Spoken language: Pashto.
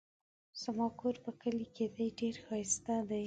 زما کور په کلي کې دی ډېر ښايسته دی